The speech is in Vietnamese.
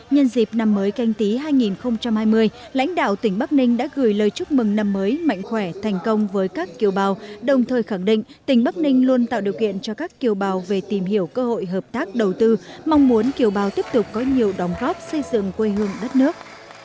nhân dịp năm mới canh tí hai nghìn hai mươi lãnh đạo tỉnh bắc ninh đã gửi lời chúc mừng năm mới mạnh khỏe thành công với các kiều bào đồng thời khẳng định tỉnh bắc ninh luôn tạo điều kiện cho các kiều bào về tìm hiểu cơ hội hợp tác đầu tư mong muốn kiều bào tiếp tục có nhiều đóng góp xây dựng quê hương đất nước